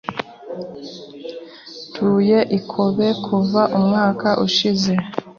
Ntuye i Kobe kuva umwaka ushize.